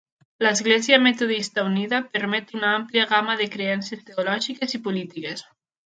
L'Església Metodista Unida permet una àmplia gamma de creences teològiques i polítiques.